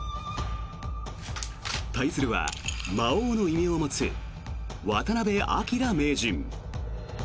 対するは魔王の異名を持つ渡辺明名人。